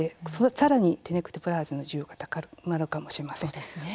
さらにテネクテプラーゼの需要が上がるかもあるかもしれません。